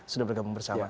sudah bergabung bersama